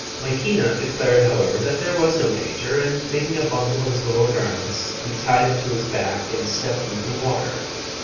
Mahina declared, however, that there was no danger, and making a bundle of his lower garments, he tied it to his back and stepped into the water.